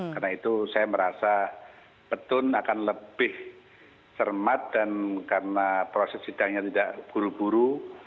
karena itu saya merasa pt un akan lebih cermat dan karena proses sidangnya tidak buru buru